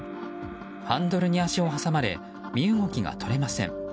ハンドルに足を挟まれ身動きが取れません。